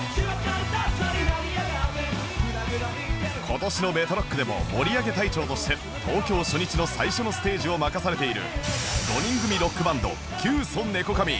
今年のメトロックでも盛り上げ隊長として東京初日の最初のステージを任されている５人組ロックバンドキュウソネコカミ